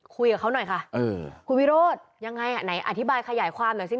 คุยกับเขาหน่อยค่ะคุณวิโรธยังไงอ่ะไหนอธิบายขยายความหน่อยสิ